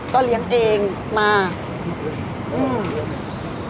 ก็เลี้ยงเองมาอืมมันนี่